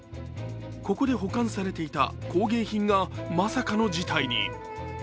ここで保管されていた工芸品がまさかの事態に。